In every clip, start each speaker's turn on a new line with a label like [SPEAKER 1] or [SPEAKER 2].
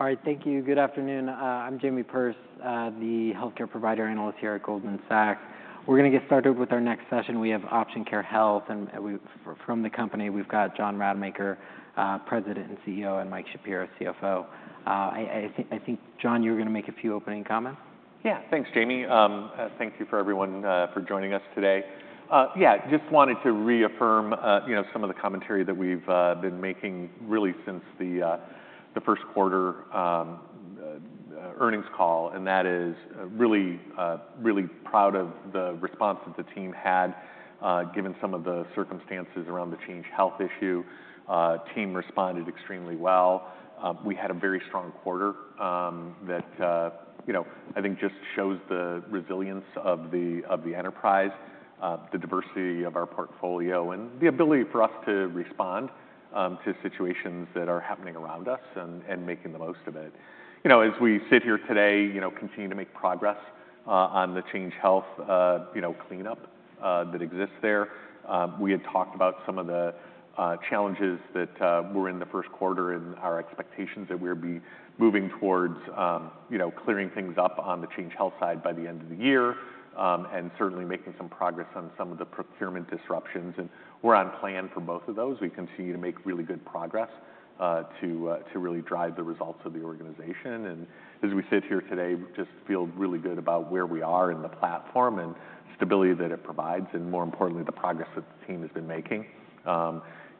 [SPEAKER 1] All right, thank you. Good afternoon. I'm Jamie Perse, the healthcare provider analyst here at Goldman Sachs. We're gonna get started with our next session. We have Option Care Health, and, from the company, we've got John Rademacher, President and CEO, and Mike Shapiro, CFO. I think, John, you were gonna make a few opening comments?
[SPEAKER 2] Yeah. Thanks, Jamie. Thank you for everyone for joining us today. Yeah, just wanted to reaffirm, you know, some of the commentary that we've been making really since the first quarter earnings call, and that is, really proud of the response that the team had given some of the circumstances around the Change Healthcare issue. Team responded extremely well. We had a very strong quarter that, you know, I think just shows the resilience of the enterprise, the diversity of our portfolio, and the ability for us to respond to situations that are happening around us and making the most of it. You know, as we sit here today, you know, continuing to make progress on the Change Healthcare, you know, cleanup that exists there. We had talked about some of the challenges that were in the first quarter and our expectations that we'll be moving towards, you know, clearing things up on the Change Healthcare side by the end of the year, and certainly making some progress on some of the procurement disruptions, and we're on plan for both of those. We continue to make really good progress, to really drive the results of the organization. And as we sit here today, just feel really good about where we are in the platform and stability that it provides, and more importantly, the progress that the team has been making,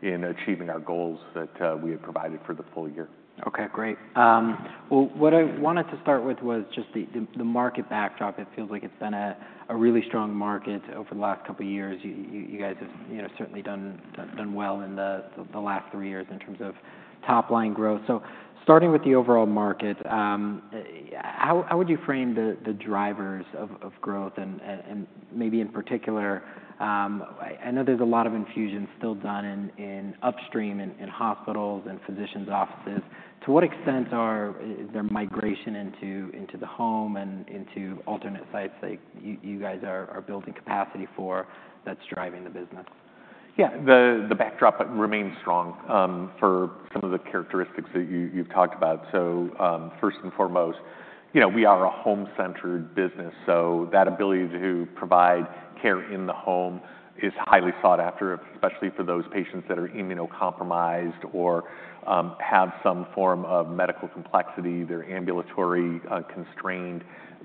[SPEAKER 2] in achieving our goals that we had provided for the full year. Okay, great. Well, what I wanted to start with was just the market backdrop. It feels like it's been a really strong market over the last couple of years. You guys have, you know, certainly done well in the last three years in terms of top-line growth. So starting with the overall market, how would you frame the drivers of growth? And maybe in particular, I know there's a lot of infusions still done in upstream, in hospitals and physicians offices. To what extent is there migration into the home and into alternate sites like you guys are building capacity for, that's driving the business? Yeah, the backdrop remains strong for some of the characteristics that you've talked about. So, first and foremost, you know, we are a home-centered business, so that ability to provide care in the home is highly sought after, especially for those patients that are immunocompromised or have some form of medical complexity. They're ambulatory constrained.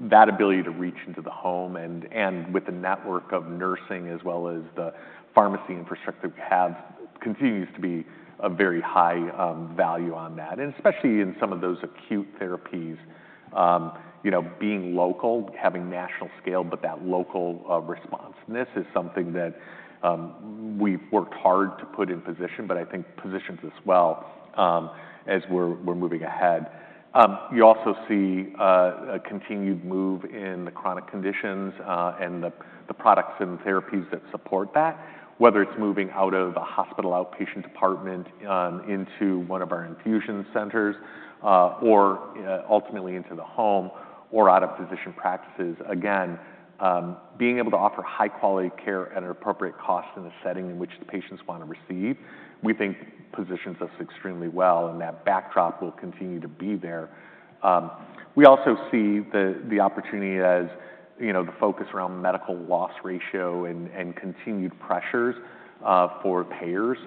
[SPEAKER 2] That ability to reach into the home and with the network of nursing as well as the pharmacy infrastructure we have continues to be a very high value on that, and especially in some of those acute therapies. You know, being local, having national scale, but that local responsiveness is something that we've worked hard to put in position, but I think positions us well as we're moving ahead. You also see a continued move in the chronic conditions and the products and therapies that support that, whether it's moving out of a hospital outpatient department into one of our infusion centers or ultimately into the home or out of physician practices. Again, being able to offer high-quality care at an appropriate cost in the setting in which the patients wanna receive, we think positions us extremely well, and that backdrop will continue to be there. We also see the opportunity as, you know, the focus around medical loss ratio and continued pressures for payers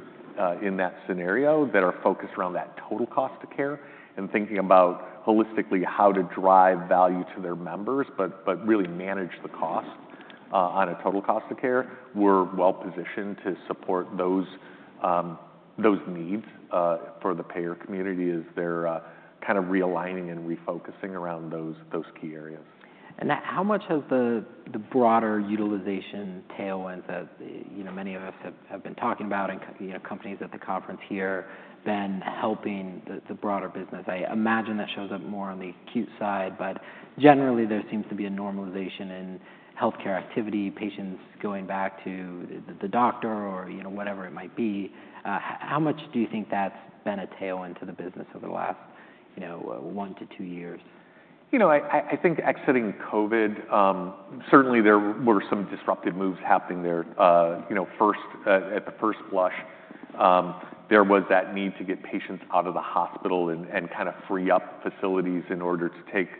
[SPEAKER 2] in that scenario that are focused around that total cost of care and thinking about holistically how to drive value to their members, but really manage the cost on a total cost of care. We're well positioned to support those needs for the payer community as they're kind of realigning and refocusing around those key areas.
[SPEAKER 1] Now, how much has the broader utilization tailwinds that, you know, many of us have been talking about and, you know, companies at the conference here, been helping the broader business? I imagine that shows up more on the acute side, but generally, there seems to be a normalization in healthcare activity, patients going back to the doctor or, you know, whatever it might be. How much do you think that's been a tailwind to the business over the last, you know, 1-2 years?
[SPEAKER 2] You know, I think exiting COVID, certainly there were some disruptive moves happening there. You know, first, at the first blush, there was that need to get patients out of the hospital and kinda free up facilities in order to take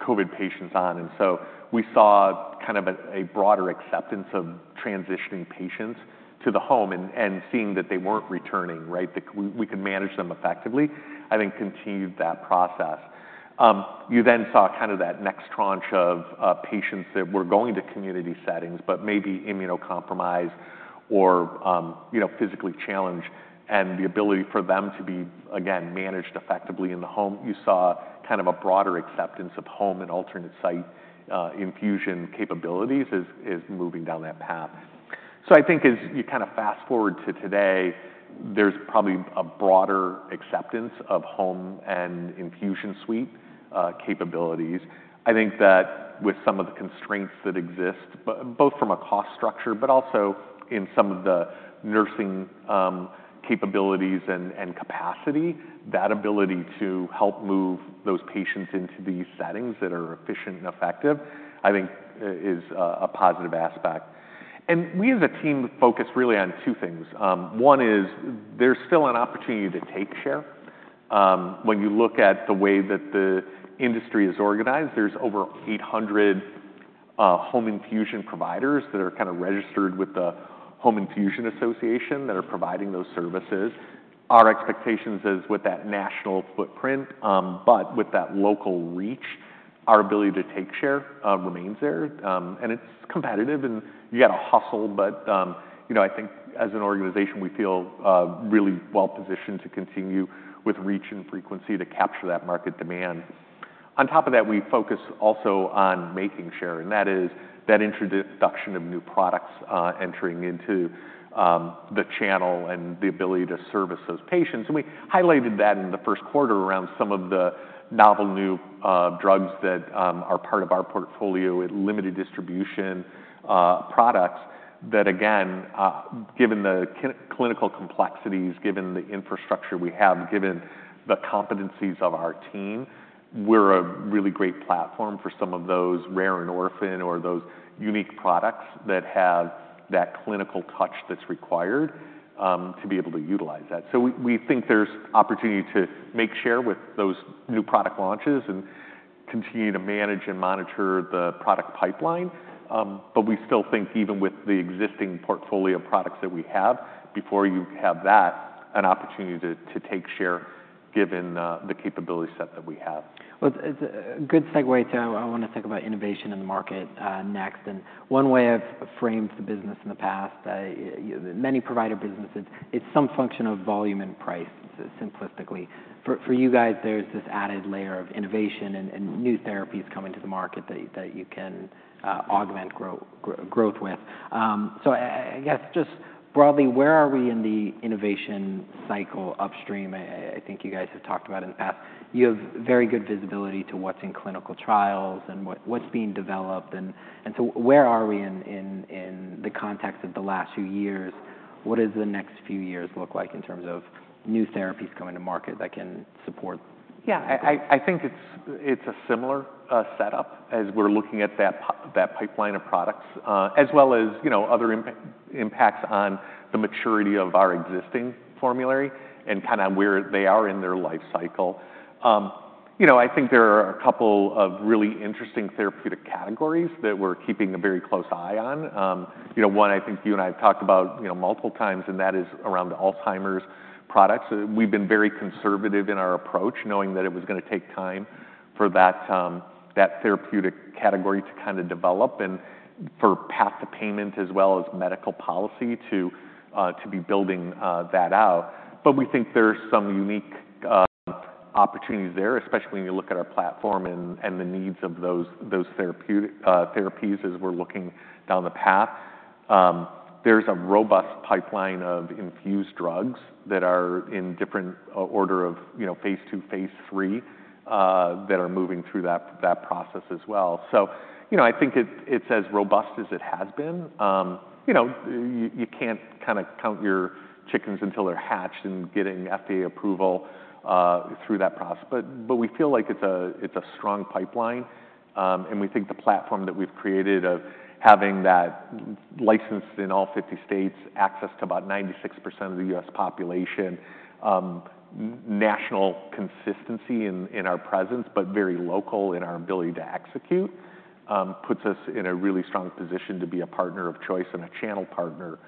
[SPEAKER 2] COVID patients on. And so we saw kind of a broader acceptance of transitioning patients to the home and seeing that they weren't returning, right? That we could manage them effectively, I think, continued that process. You then saw kind of that next tranche of patients that were going to community settings, but maybe immunocompromised or, you know, physically challenged, and the ability for them to be, again, managed effectively in the home. You saw kind of a broader acceptance of home and alternate site infusion capabilities as is moving down that path. So I think as you kinda fast-forward to today, there's probably a broader acceptance of home and infusion suite capabilities. I think that with some of the constraints that exist, both from a cost structure, but also in some of the nursing capabilities and capacity, that ability to help move those patients into these settings that are efficient and effective, I think, is a positive aspect. We as a team focus really on two things. One is there's still an opportunity to take share. When you look at the way that the industry is organized, there's over 800 home infusion providers that are kinda registered with the Home Infusion Association that are providing those services. Our expectations is with that national footprint, but with that local reach, our ability to take share remains there. And it's competitive, and you gotta hustle, but, you know, I think as an organization, we feel really well-positioned to continue with reach and frequency to capture that market demand. On top of that, we focus also on making share, and that is that introduction of new products entering into the channel and the ability to service those patients. And we highlighted that in the first quarter around some of the novel new drugs that are part of our portfolio with limited distribution products. That again, given the clinical complexities, given the infrastructure we have, given the competencies of our team, we're a really great platform for some of those rare and orphan or those unique products that have that clinical touch that's required to be able to utilize that. So we think there's opportunity to make share with those new product launches and continue to manage and monitor the product pipeline. But we still think even with the existing portfolio of products that we have, before you have that, an opportunity to take share, given the capability set that we have.
[SPEAKER 1] Well, it's a good segue to I want to think about innovation in the market next. And one way I've framed the business in the past, many provider businesses, it's some function of volume and price, simplistically. For you guys, there's this added layer of innovation and new therapies coming to the market that you can augment growth with. So I guess just broadly, where are we in the innovation cycle upstream? I think you guys have talked about in the past, you have very good visibility to what's in clinical trials and what's being developed. And so where are we in the context of the last few years? What does the next few years look like in terms of new therapies coming to market that can support?
[SPEAKER 2] Yeah, I think it's a similar setup as we're looking at that pipeline of products, as well as, you know, other impacts on the maturity of our existing formulary and kinda where they are in their life cycle. You know, I think there are a couple of really interesting therapeutic categories that we're keeping a very close eye on. You know, one, I think you and I have talked about, you know, multiple times, and that is around Alzheimer's products. We've been very conservative in our approach, knowing that it was gonna take time for that therapeutic category to kinda develop and for path to payment as well as medical policy to be building that out. But we think there are some unique opportunities there, especially when you look at our platform and the needs of those therapeutic therapies as we're looking down the path. There's a robust pipeline of infused drugs that are in different order of, you know, phase two, phase three, that are moving through that process as well. So, you know, I think it's as robust as it has been. You know, you can't kinda count your chickens until they're hatched in getting FDA approval through that process, but we feel like it's a strong pipeline. We think the platform that we've created of having that licensed in all 50 states, access to about 96% of the U.S. population, national consistency in our presence, but very local in our ability to execute, puts us in a really strong position to be a partner of choice and a channel partner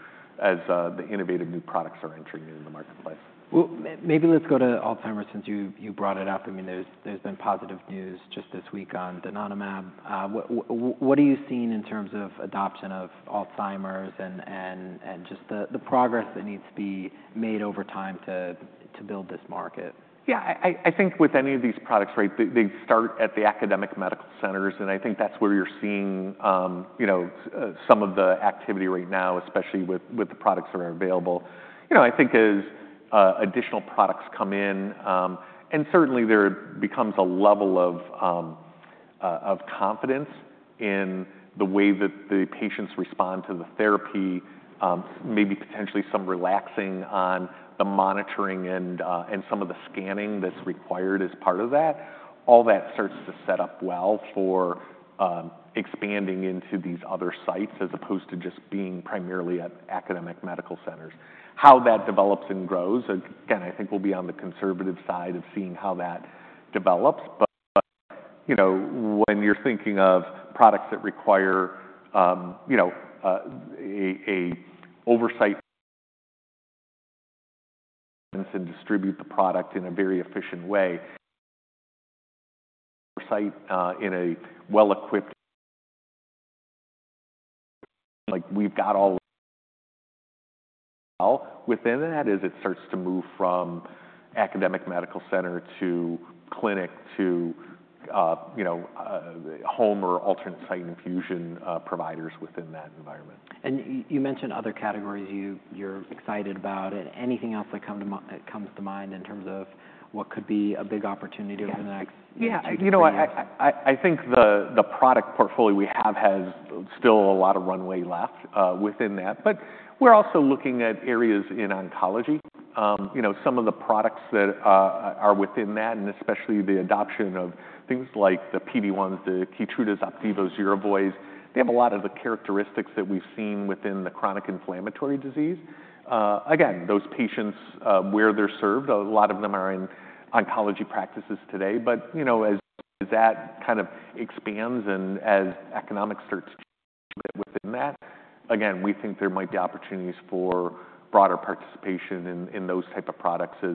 [SPEAKER 2] as the innovative new products are entering into the marketplace.
[SPEAKER 1] Well, maybe let's go to Alzheimer's since you brought it up. I mean, there's been positive news just this week on donanemab. What are you seeing in terms of adoption of Alzheimer's and just the progress that needs to be made over time to build this market?
[SPEAKER 2] Yeah, I think with any of these products, right, they start at the academic medical centers, and I think that's where you're seeing, you know, some of the activity right now, especially with the products that are available. You know, I think as additional products come in, and certainly there becomes a level of confidence in the way that the patients respond to the therapy, maybe potentially some relaxing on the monitoring and some of the scanning that's required as part of that. All that starts to set up well for expanding into these other sites, as opposed to just being primarily at academic medical centers. How that develops and grows, again, I think we'll be on the conservative side of seeing how that develops. But, you know, when you're thinking of products that require, you know, a oversight and distribute the product in a very efficient way... Oversight, in a well-equipped... Like, we've got all... Well, within that is it starts to move from academic medical center to clinic to, you know, home or alternate site infusion, providers within that environment.
[SPEAKER 1] You mentioned other categories you're excited about. Anything else that comes to mind in terms of what could be a big opportunity over the next-
[SPEAKER 2] Yeah. You know, I think the product portfolio we have has still a lot of runway left within that. But we're also looking at areas in oncology. You know, some of the products that are within that, and especially the adoption of things like the PD-1s, the Keytrudas, Opdivos, Yervoys, they have a lot of the characteristics that we've seen within the chronic inflammatory disease. Again, those patients where they're served, a lot of them are in oncology practices today. But you know, as that kind of expands and as economics starts to within that, again, we think there might be opportunities for broader participation in those type of products as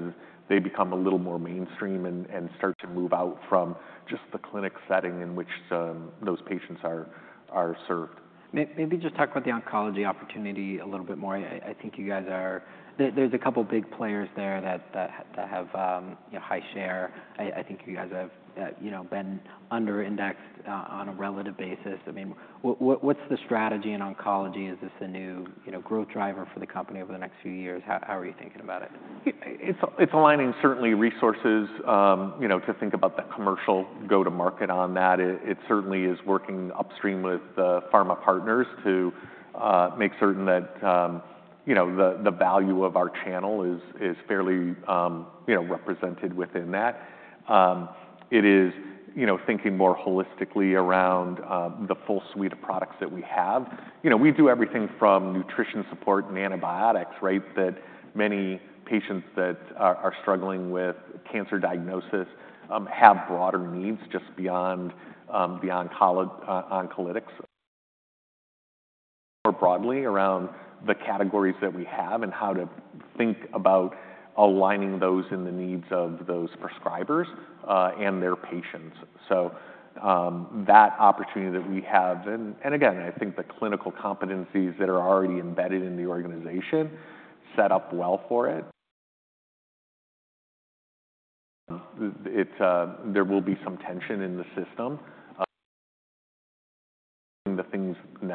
[SPEAKER 2] they become a little more mainstream and start to move out from just the clinic setting in which those patients are served.
[SPEAKER 1] Maybe just talk about the oncology opportunity a little bit more. I think you guys are— There's a couple big players there that have, you know, high share. I think you guys have, you know, been under-indexed on a relative basis. I mean, what's the strategy in oncology? Is this a new, you know, growth driver for the company over the next few years? How are you thinking about it?
[SPEAKER 2] It's aligning certainly resources, you know, to think about that commercial go-to-market on that. It certainly is working upstream with the pharma partners to make certain that, you know, the value of our channel is fairly, you know, represented within that. It is, you know, thinking more holistically around the full suite of products that we have. You know, we do everything from nutrition support and antibiotics, right? That many patients that are struggling with cancer diagnosis have broader needs just beyond oncolytics. More broadly, around the categories that we have and how to think about aligning those in the needs of those prescribers and their patients. So, that opportunity that we have... Again, I think the clinical competencies that are already embedded in the organization set up well for it. There will be some tension in the system,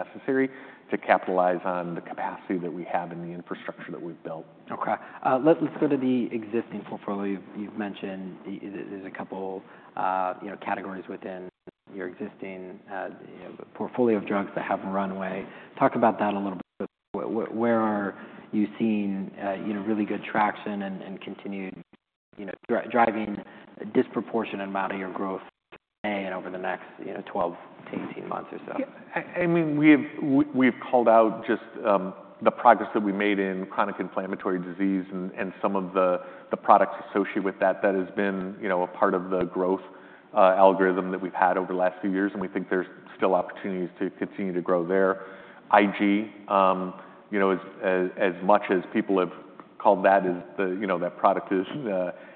[SPEAKER 2] the things necessary to capitalize on the capacity that we have and the infrastructure that we've built.
[SPEAKER 1] Okay. Let's go to the existing portfolio. You've mentioned there's a couple, you know, categories within your existing, you know, portfolio of drugs that have runway. Talk about that a little bit. Where are you seeing, you know, really good traction and continued, you know, driving a disproportionate amount of your growth today and over the next 12 to 18 months or so?
[SPEAKER 2] Yeah, I mean, we've called out just the progress that we made in chronic inflammatory disease and some of the products associated with that. That has been, you know, a part of the growth algorithm that we've had over the last few years, and we think there's still opportunities to continue to grow there. IG, you know, as much as people have called that as the... You know, that product is,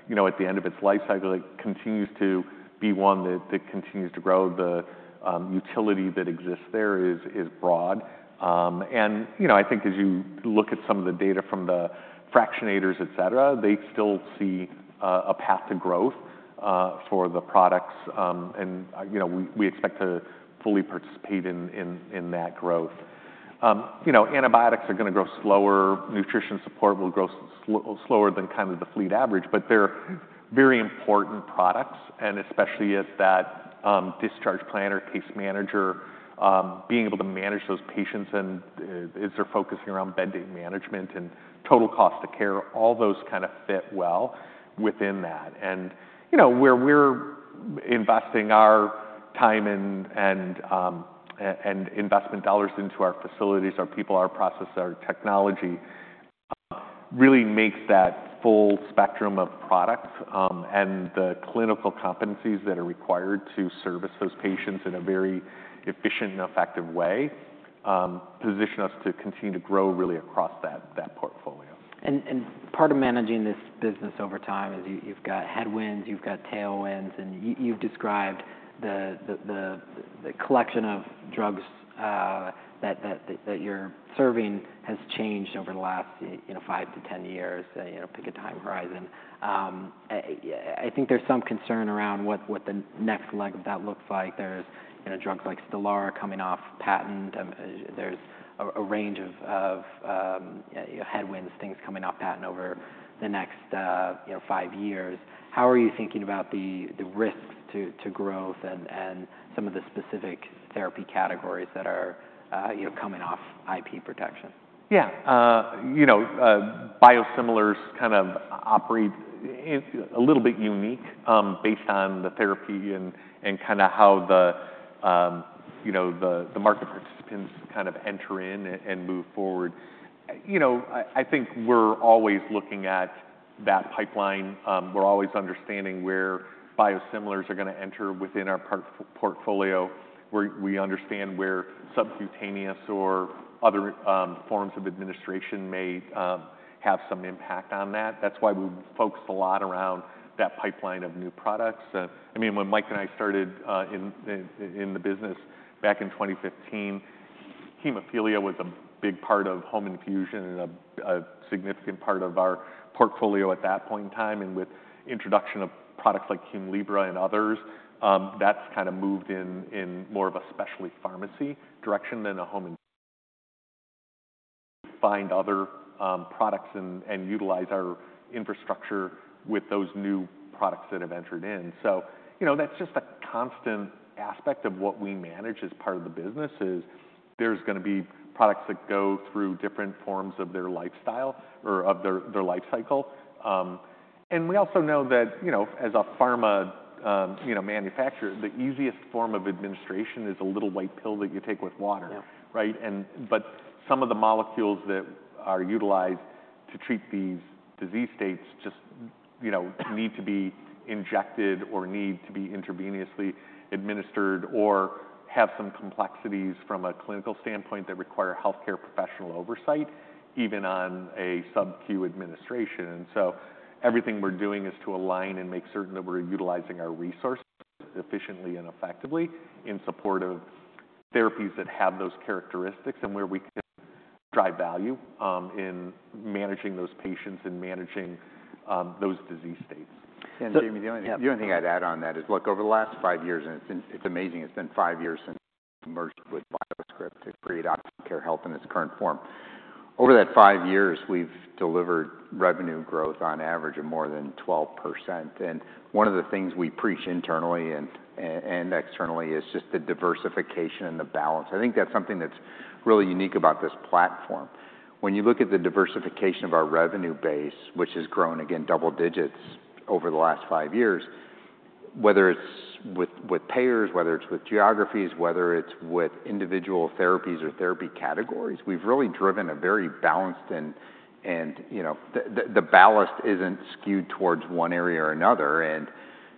[SPEAKER 2] you know, at the end of its life cycle, it continues to be one that continues to grow. The utility that exists there is broad. And, you know, I think as you look at some of the data from the fractionators, et cetera, they still see a path to growth for the products. You know, we expect to fully participate in that growth. You know, antibiotics are gonna grow slower. Nutrition support will grow slower than kind of the fleet average, but they're very important products, and especially as that discharge planner, case manager, being able to manage those patients and as they're focusing around bed day management and total cost of care, all those kinda fit well within that. You know, where we're investing our time and investment dollars into our facilities, our people, our process, our technology really makes that full spectrum of products and the clinical competencies that are required to service those patients in a very efficient and effective way position us to continue to grow really across that portfolio.
[SPEAKER 1] Part of managing this business over time is you, you've got headwinds, you've got tailwinds, and you've described the collection of drugs that you're serving has changed over the last, you know, 5-10 years. You know, pick a time horizon. I think there's some concern around what the next leg of that looks like. There's, you know, drugs like Stelara coming off patent. There's a range of headwinds, things coming off patent over the next, you know, 5 years. How are you thinking about the risks to growth and some of the specific therapy categories that are, you know, coming off IP protection?
[SPEAKER 2] Yeah. You know, biosimilars kind of operate a little bit unique, based on the therapy and, and kinda how the, you know, the market participants kind of enter in and move forward. You know, I think we're always looking at that pipeline. We're always understanding where biosimilars are gonna enter within our portfolio, where we understand where subcutaneous or other forms of administration may have some impact on that. That's why we've focused a lot around that pipeline of new products. I mean, when Mike and I started in the business back in 2015, hemophilia was a big part of home infusion and a significant part of our portfolio at that point in time. With introduction of products like Hemlibra and others, that's kinda moved in more of a specialty pharmacy direction than a home infusion. Find other products and utilize our infrastructure with those new products that have entered in. So you know, that's just a constant aspect of what we manage as part of the business, is there's gonna be products that go through different forms of their life cycle. And we also know that, you know, as a pharma manufacturer, the easiest form of administration is a little white pill that you take with water.
[SPEAKER 1] Yeah.
[SPEAKER 2] Right? But some of the molecules that are utilized to treat these disease states just, you know, need to be injected or need to be intravenously administered, or have some complexities from a clinical standpoint that require healthcare professional oversight, even on a sub-Q administration. And so everything we're doing is to align and make certain that we're utilizing our resources efficiently and effectively in support of therapies that have those characteristics, and where we can drive value in managing those patients and managing those disease states.
[SPEAKER 3] Jamie, the only, the only thing I'd add on that is, look, over the last five years, and it's amazing, it's been five years since we merged with BioScrip to create Option Care Health in its current form. Over that five years, we've delivered revenue growth on average of more than 12%. And one of the things we preach internally and externally is just the diversification and the balance. I think that's something that's really unique about this platform. When you look at the diversification of our revenue base, which has grown, again, double digits over the last five years, whether it's with payers, whether it's with geographies, whether it's with individual therapies or therapy categories, we've really driven a very balanced and, you know, the ballast isn't skewed towards one area or another. And,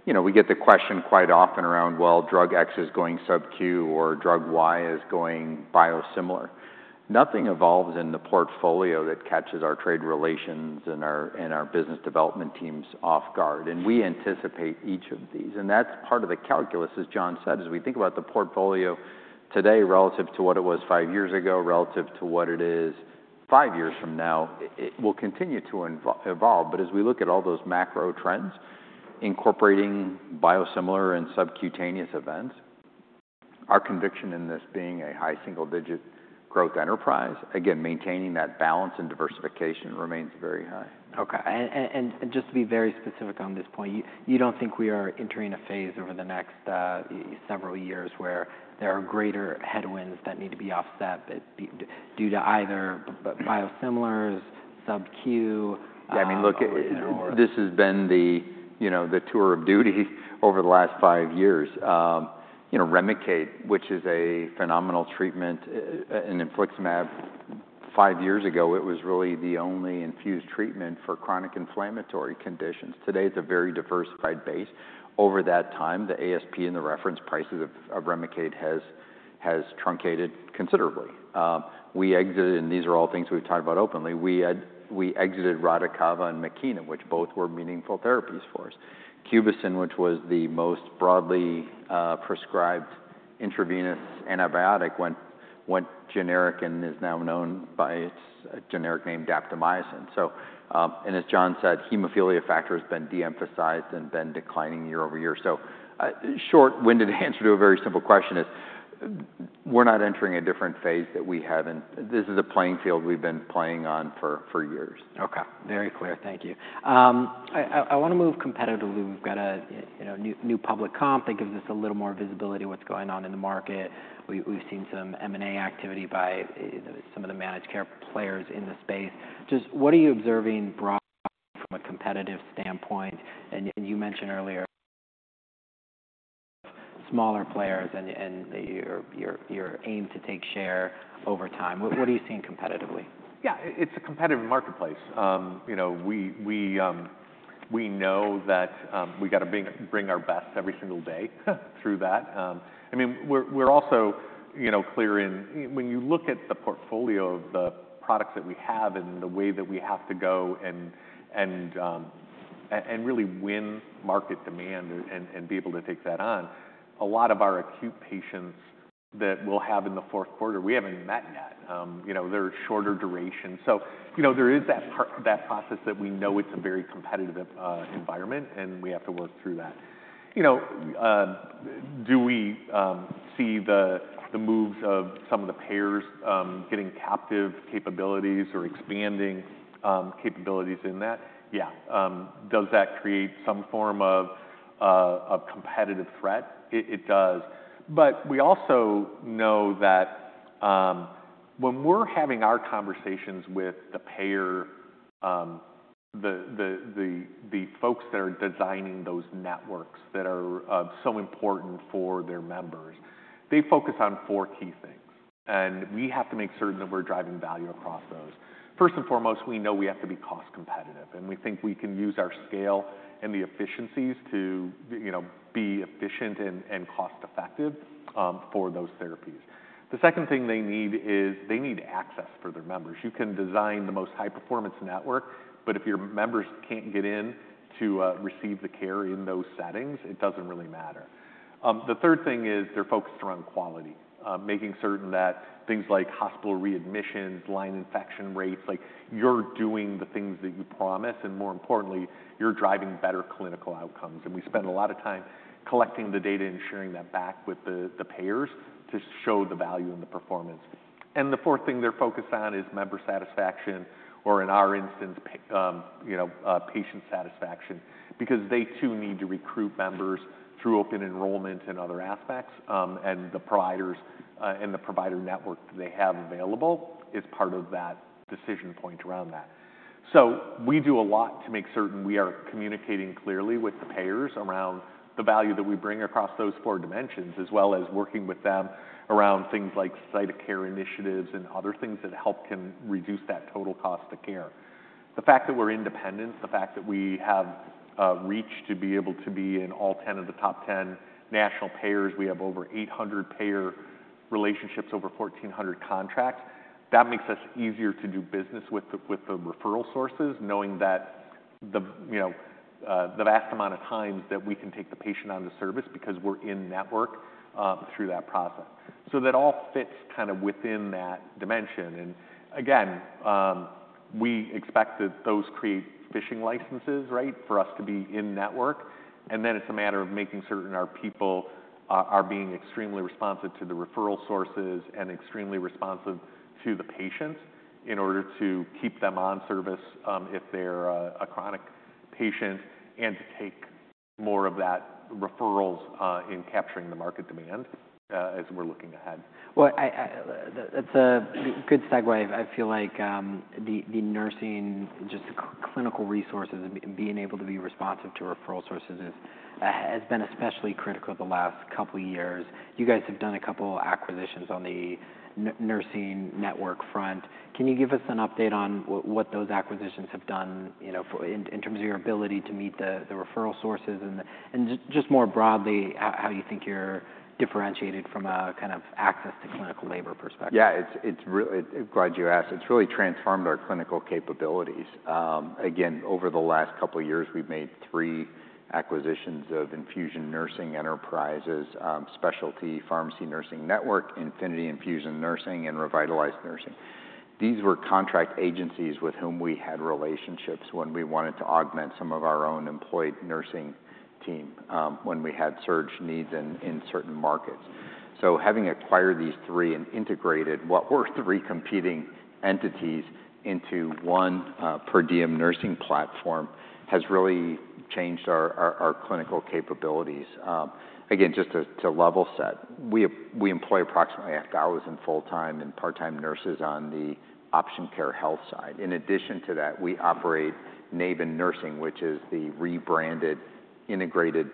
[SPEAKER 3] you know, we get the question quite often around, "Well, drug X is going sub-Q, or drug Y is going biosimilar." Nothing evolves in the portfolio that catches our trade relations and our business development teams off guard, and we anticipate each of these. And that's part of the calculus, as John said, as we think about the portfolio today relative to what it was five years ago, relative to what it is five years from now, it will continue to evolve. But as we look at all those macro trends, incorporating biosimilar and subcutaneous events, our conviction in this being a high single-digit growth enterprise, again, maintaining that balance and diversification remains very high.
[SPEAKER 1] Okay. And just to be very specific on this point, you don't think we are entering a phase over the next several years where there are greater headwinds that need to be offset, due to either biosimilars, sub-Q?
[SPEAKER 3] Yeah, I mean, look-
[SPEAKER 1] You know,
[SPEAKER 3] This has been the, you know, the tour of duty over the last five years. You know, Remicade, which is a phenomenal treatment, and infliximab, five years ago, it was really the only infused treatment for chronic inflammatory conditions. Today, it's a very diversified base. Over that time, the ASP and the reference prices of Remicade has truncated considerably. We exited, and these are all things we've talked about openly, we exited Radicava and Makena, which both were meaningful therapies for us. Cubicin, which was the most broadly prescribed intravenous antibiotic, went generic and is now known by its generic name, daptomycin. And as John said, hemophilia factor has been de-emphasized and been declining year-over-year. Short-winded answer to a very simple question is, we're not entering a different phase that we haven't... This is a playing field we've been playing on for years.
[SPEAKER 1] Okay, very clear. Thank you. I wanna move competitively. We've got a, you know, new public comp that gives us a little more visibility in what's going on in the market. We've seen some M&A activity by some of the managed care players in the space. Just what are you observing broadly from a competitive standpoint? And you mentioned earlier, smaller players and your aim to take share over time. What are you seeing competitively?
[SPEAKER 2] Yeah, it's a competitive marketplace. You know, we know that we've got to bring our best every single day through that. I mean, we're also, you know, clear in... When you look at the portfolio of the products that we have and the way that we have to go and really win market demand and be able to take that on, a lot of our acute patients that we'll have in the fourth quarter, we haven't even met yet. You know, they're shorter duration. So, you know, there is that process that we know it's a very competitive environment, and we have to work through that. You know, do we see the moves of some of the payers getting captive capabilities or expanding capabilities in that? Yeah. Does that create some form of competitive threat? It does. But we also know that, when we're having our conversations with the payer, the folks that are designing those networks that are so important for their members, they focus on four key things, and we have to make certain that we're driving value across those. First and foremost, we know we have to be cost competitive, and we think we can use our scale and the efficiencies to, you know, be efficient and cost effective for those therapies. The second thing they need is they need access for their members. You can design the most high-performance network, but if your members can't get in to receive the care in those settings, it doesn't really matter. The third thing is they're focused around quality, making certain that things like hospital readmissions, line infection rates, like, you're doing the things that you promise, and more importantly, you're driving better clinical outcomes. We spend a lot of time collecting the data and sharing that back with the payers to show the value and the performance. The fourth thing they're focused on is member satisfaction, or in our instance, you know, patient satisfaction, because they too need to recruit members through open enrollment and other aspects, and the providers, and the provider network that they have available is part of that decision point around that. So we do a lot to make certain we are communicating clearly with the payers around the value that we bring across those four dimensions, as well as working with them around things like site of care initiatives and other things that help them reduce that total cost of care. The fact that we're independent, the fact that we have reach to be able to be in all 10 of the top 10 national payers, we have over 800 payer relationships, over 1,400 contracts. That makes us easier to do business with the referral sources, knowing that, you know, the vast amount of times that we can take the patient on the service because we're in-network through that process. So that all fits kind of within that dimension, and again, we expect that those create fishing licenses, right? For us to be in-network, and then it's a matter of making certain our people are being extremely responsive to the referral sources and extremely responsive to the patients in order to keep them on service, if they're a chronic patient, and to take more of that referrals in capturing the market demand, as we're looking ahead.
[SPEAKER 1] Well, it's a good segue. I feel like, the nursing, just clinical resources and being able to be responsive to referral sources is, has been especially critical the last couple years. You guys have done a couple acquisitions on the nursing network front. Can you give us an update on what those acquisitions have done, you know, for in terms of your ability to meet the referral sources and just more broadly, how you think you're differentiated from a kind of access to clinical labor perspective?
[SPEAKER 2] Yeah, it's really, glad you asked. It's really transformed our clinical capabilities. Again, over the last couple of years, we've made three acquisitions of infusion nursing enterprises, Specialty Pharmacy Nursing Network, Infinity Infusion Nursing, and Revitalize Nursing. These were contract agencies with whom we had relationships when we wanted to augment some of our own employed nursing team, when we had surge needs in certain markets. So having acquired these three and integrated what were three competing entities into one, per diem nursing platform, has really changed our clinical capabilities. Again, just to level set, we employ approximately 1,000 full-time and part-time nurses on the Option Care Health side. In addition to that, we operate Naven Health, which is the rebranded, integrated,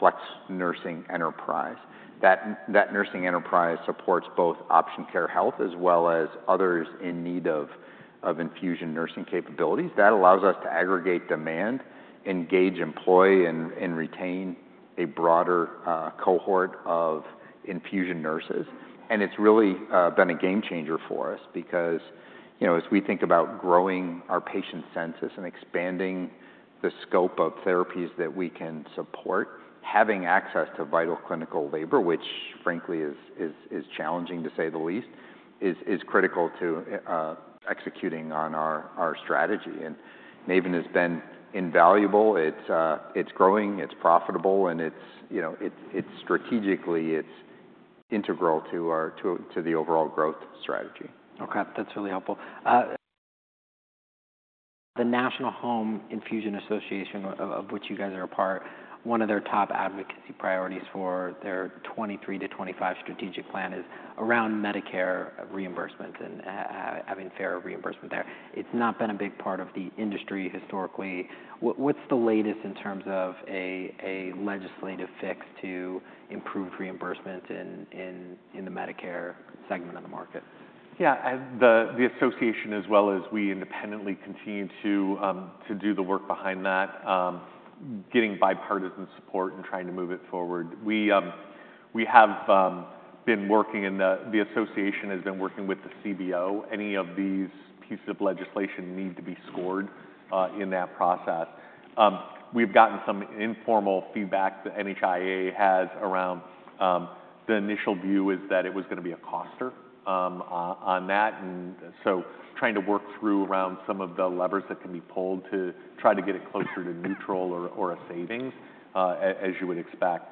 [SPEAKER 2] flex nursing enterprise. That nursing enterprise supports both Option Care Health as well as others in need of infusion nursing capabilities. That allows us to aggregate demand, engage, employ, and retain a broader cohort of infusion nurses. And it's really been a game changer for us because, you know, as we think about growing our patient census and expanding the scope of therapies that we can support, having access to vital clinical labor, which frankly is challenging, to say the least, is critical to executing on our strategy. And Naven has been invaluable. It's growing, it's profitable, and it's, you know, strategically integral to the overall growth strategy.
[SPEAKER 1] Okay, that's really helpful. The National Home Infusion Association, of which you guys are a part, one of their top advocacy priorities for their 23-25 strategic plan is around Medicare reimbursement and having fair reimbursement there. It's not been a big part of the industry historically. What's the latest in terms of a legislative fix to improve reimbursement in the Medicare segment of the market?
[SPEAKER 2] Yeah, the association, as well as we independently, continue to do the work behind that, getting bipartisan support and trying to move it forward. We have been working. The association has been working with the CBO. Any of these pieces of legislation need to be scored in that process. We've gotten some informal feedback that NHIA has around the initial view is that it was gonna be a cost on that. And so trying to work through around some of the levers that can be pulled to try to get it closer to neutral or a savings, as you would expect.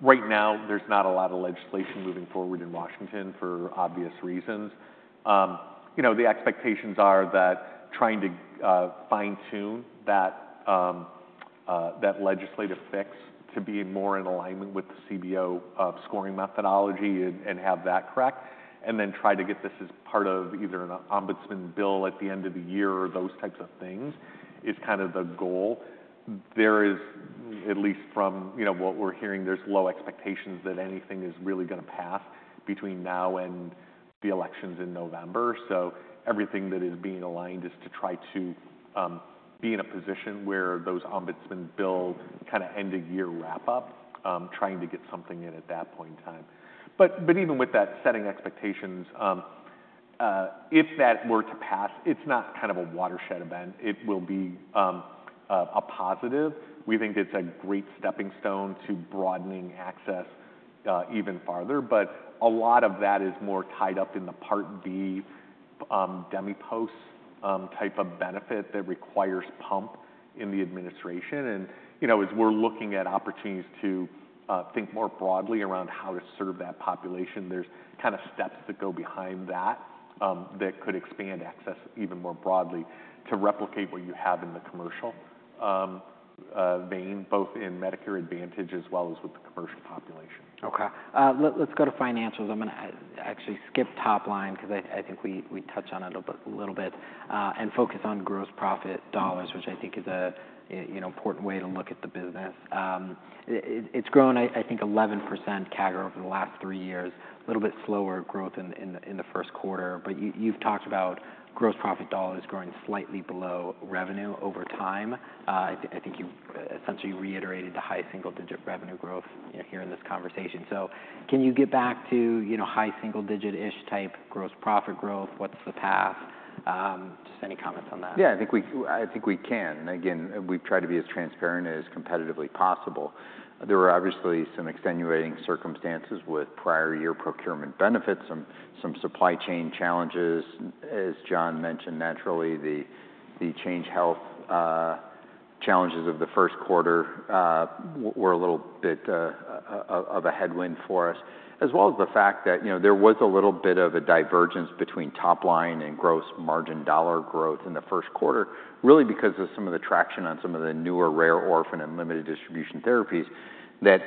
[SPEAKER 2] Right now, there's not a lot of legislation moving forward in Washington for obvious reasons. You know, the expectations are that trying to fine-tune that legislative fix to be more in alignment with the CBO scoring methodology and have that correct, and then try to get this as part of either an omnibus bill at the end of the year or those types of things, is kind of the goal. There is, at least from, you know, what we're hearing, low expectations that anything is really gonna pass between now and the elections in November. So everything that is being aligned is to try to be in a position where those omnibus bill, kinda end-of-year wrap-up, trying to get something in at that point in time. But even with that, setting expectations, if that were to pass, it's not kind of a watershed event. It will be a positive. We think it's a great stepping stone to broadening access, even farther, but a lot of that is more tied up in the Part B DMEPOS type of benefit that requires pump and the administration. You know, as we're looking at opportunities to think more broadly around how to serve that population, there's kind of steps that go behind that that could expand access even more broadly to replicate what you have in the commercial vein, both in Medicare Advantage as well as with the commercial population....
[SPEAKER 1] Okay, let's go to financials. I'm gonna actually skip top line, 'cause I think we touched on it a little bit, and focus on gross profit dollars-
[SPEAKER 3] Mm-hmm.
[SPEAKER 1] which I think is a, you know, important way to look at the business. It's grown, I think, 11% CAGR over the last three years, a little bit slower growth in the first quarter. But you've talked about gross profit dollars growing slightly below revenue over time. I think you essentially reiterated the high single-digit revenue growth, you know, here in this conversation. So can you get back to, you know, high single digit-ish type gross profit growth? What's the path? Just any comments on that?
[SPEAKER 3] Yeah, I think we can. Again, we've tried to be as transparent and as competitively possible. There were obviously some extenuating circumstances with prior year procurement benefits, some supply chain challenges. As John mentioned, naturally, the Change Healthcare challenges of the first quarter were a little bit of a headwind for us, as well as the fact that, you know, there was a little bit of a divergence between top line and gross margin dollar growth in the first quarter, really because of some of the traction on some of the newer rare, orphan, and limited distribution therapies that,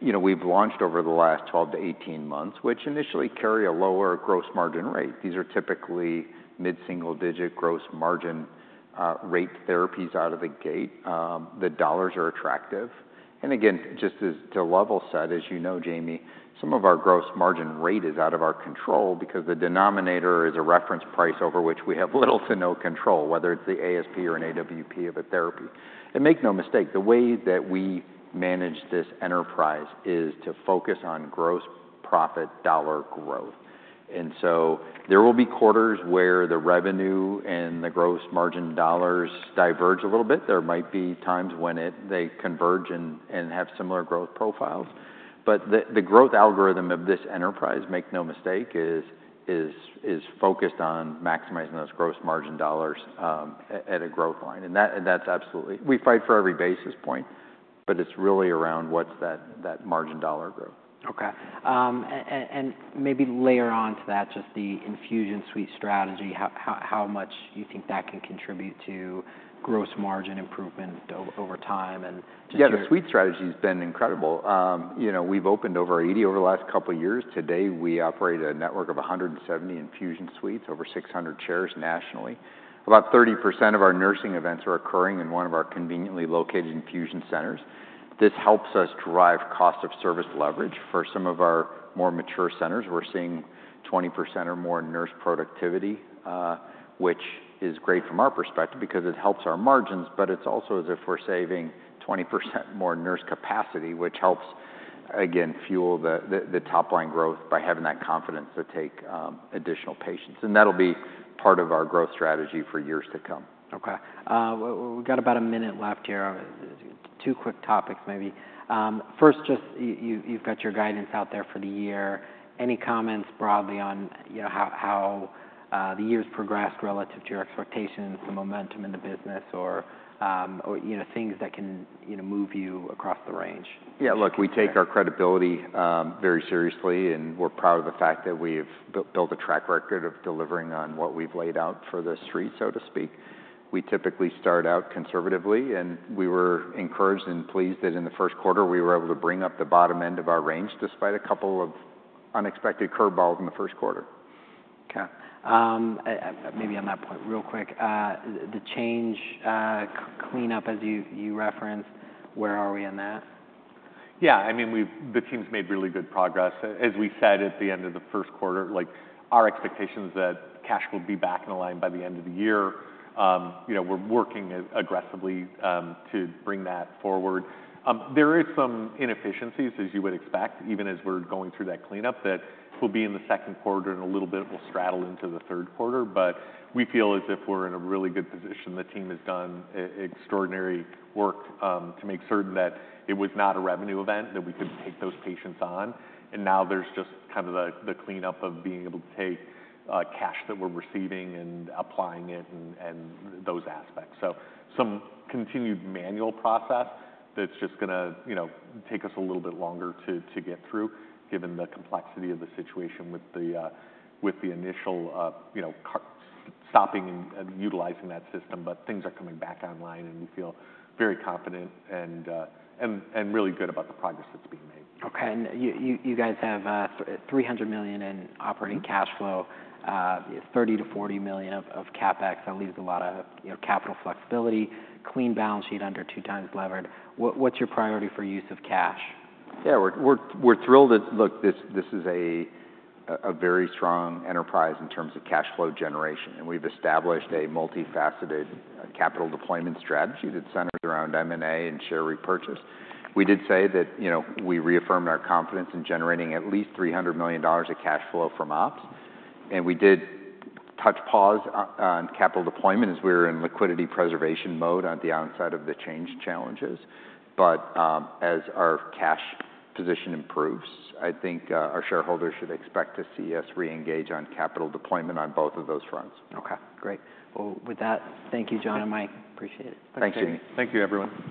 [SPEAKER 3] you know, we've launched over the last 12-18 months, which initially carry a lower gross margin rate. These are typically mid-single digit gross margin rate therapies out of the gate. The dollars are attractive. And again, just as to level set, as you know, Jamie, some of our gross margin rate is out of our control because the denominator is a reference price over which we have little to no control, whether it's the ASP or an AWP of a therapy. And make no mistake, the way that we manage this enterprise is to focus on gross profit dollar growth. And so there will be quarters where the revenue and the gross margin dollars diverge a little bit. There might be times when they converge and have similar growth profiles. But the growth algorithm of this enterprise, make no mistake, is focused on maximizing those gross margin dollars at a growth line. And that's absolutely... We fight for every basis point, but it's really around what's that margin dollar growth.
[SPEAKER 1] Okay. And maybe layer on to that just the infusion suite strategy. How much do you think that can contribute to gross margin improvement over time and just your-
[SPEAKER 3] Yeah, the suite strategy's been incredible. You know, we've opened over 80 over the last couple of years. Today, we operate a network of 170 infusion suites, over 600 chairs nationally. About 30% of our nursing events are occurring in one of our conveniently located infusion centers. This helps us drive cost of service leverage. For some of our more mature centers, we're seeing 20% or more in nurse productivity, which is great from our perspective, because it helps our margins, but it's also as if we're saving 20% more nurse capacity, which helps, again, fuel the top-line growth by having that confidence to take additional patients. And that'll be part of our growth strategy for years to come.
[SPEAKER 1] Okay. We've got about a minute left here. Two quick topics, maybe. First, just you, you've got your guidance out there for the year. Any comments broadly on, you know, how, how, the year's progressed relative to your expectations, the momentum in the business or, or, you know, things that can, you know, move you across the range?
[SPEAKER 3] Yeah, look, we take our credibility very seriously, and we're proud of the fact that we've built a track record of delivering on what we've laid out for The Street, so to speak. We typically start out conservatively, and we were encouraged and pleased that in the first quarter we were able to bring up the bottom end of our range, despite a couple of unexpected curveballs in the first quarter.
[SPEAKER 1] Okay. Maybe on that point, real quick, the Change cleanup, as you referenced, where are we on that?
[SPEAKER 2] Yeah, I mean, the team's made really good progress. As we said at the end of the first quarter, like, our expectation is that cash will be back in line by the end of the year. You know, we're working aggressively to bring that forward. There is some inefficiencies, as you would expect, even as we're going through that cleanup, that will be in the second quarter, and a little bit will straddle into the third quarter. But we feel as if we're in a really good position. The team has done extraordinary work to make certain that it was not a revenue event, that we could take those patients on. And now there's just kind of the cleanup of being able to take cash that we're receiving and applying it and those aspects. So some continued manual process that's just gonna, you know, take us a little bit longer to get through, given the complexity of the situation with the initial, you know, cyber stopping and utilizing that system. But things are coming back online, and we feel very confident and really good about the progress that's being made.
[SPEAKER 1] Okay. You guys have $300 million in operating cash flow.
[SPEAKER 2] Mm-hmm.
[SPEAKER 1] $30 million-$40 million of CapEx. That leaves a lot of, you know, capital flexibility, clean balance sheet, under 2x levered. What's your priority for use of cash?
[SPEAKER 3] Yeah, we're thrilled that... Look, this is a very strong enterprise in terms of cash flow generation, and we've established a multifaceted capital deployment strategy that centers around M&A and share repurchase. We did say that, you know, we reaffirmed our confidence in generating at least $300 million of cash flow from ops, and we did touch pause on capital deployment, as we were in liquidity preservation mode on the outside of the Change challenges. But, as our cash position improves, I think our shareholders should expect to see us re-engage on capital deployment on both of those fronts.
[SPEAKER 1] Okay, great. Well, with that, thank you, John and Mike. Appreciate it.
[SPEAKER 3] Thank you.
[SPEAKER 2] Thank you, everyone.